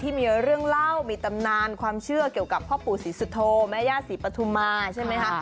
ที่มีเรื่องเล่ามีตำนานความเชื่อเกี่ยวกับพ่อปู่ศรีสุโธแม่ย่าศรีปฐุมาใช่ไหมคะ